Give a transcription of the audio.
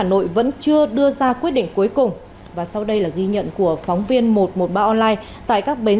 hà nội vẫn chưa đưa ra quyết định cuối cùng và sau đây là ghi nhận của phóng viên một trăm một mươi ba online tại các bến